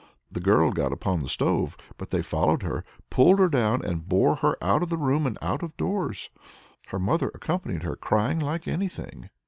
The girl got upon the stove, but they followed her, pulled her down, and bore her out of the room and out of doors. Her mother accompanied her, crying like anything.